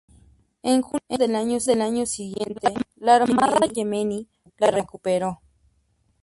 En junio del año siguiente, la Armada yemení la recuperó.